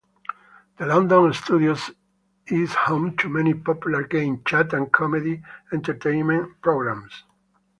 The London Studios is home to many popular game, chat and comedy entertainment programmes.